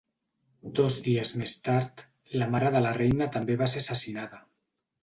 Dos dies més tard, la mare de la Reina també va ser assassinada.